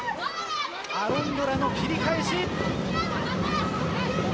アロンドラの切り返し。